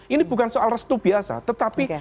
ini bukan soal restu biasa tetapi